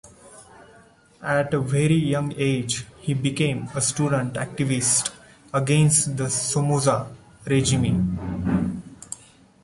At a very young age, he became a student activist against the Somoza regime.